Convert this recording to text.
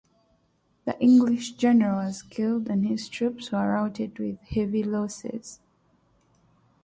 The English general was killed and his troops were routed with heavy losses.